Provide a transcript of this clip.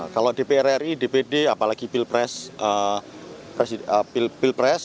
kalau dprri dpd apalagi pilpres